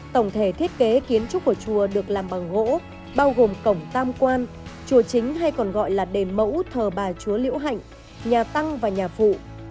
tổng thể thiết kế kiến trúc của chùa được làm bằng gỗ bao gồm cổng tam quan chùa chính hay còn gọi là đền mẫu thờ bà chúa liễu hạnh nhà tăng và nhà phụ